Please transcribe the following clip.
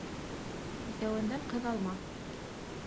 Иҫәүәндән ҡыҙ алма.